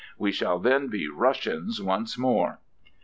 We shall then be Russians once more!"